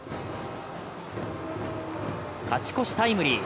勝ち越しタイムリー。